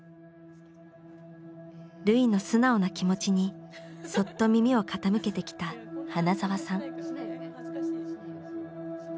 瑠唯の素直な気持ちにそっと耳を傾けてきた花澤さん。